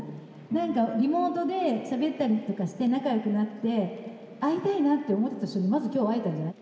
何かリモートでしゃべったりとかして仲よくなって会いたいなって思ってた人にまず今日会えたんじゃない？